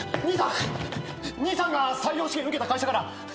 兄さんが採用試験受けた会社から通知が来ました。